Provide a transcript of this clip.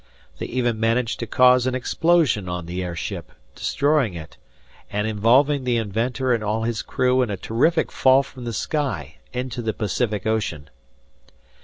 They even managed to cause an explosion on the airship, destroying it, and involving the inventor and all his crew in a terrific fall from the sky into the Pacific ocean.